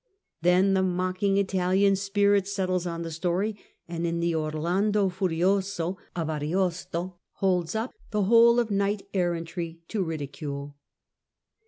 Then the mocking Italian spirit settles on the story, and, in the Orlando Farioso of Ariosto, holds up the whole of knight errantry to ridicule.